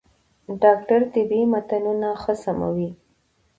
ډاکټر طبي متنونه ښه سموي.